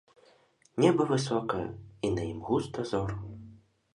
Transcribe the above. Неба высокае, і на ім густа зор.